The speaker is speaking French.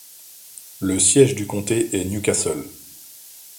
Le siège du comté est New Castle.